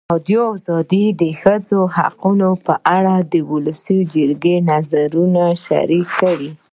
ازادي راډیو د د ښځو حقونه په اړه د ولسي جرګې نظرونه شریک کړي.